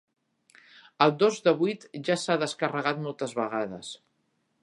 El dos de vuit ja s'ha descarregat moltes vegades